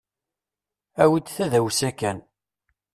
Awi-d tadawsa kan.